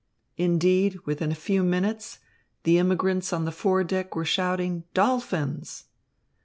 Indeed, within a few minutes, the immigrants on the fore deck were shouting, "Dolphins!"